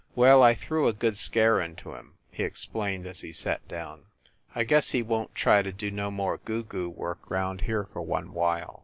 "Well, I threw a good scare into him," he explained, as he sat down. "I guess he won t try to do no more goo goo work round here for one while.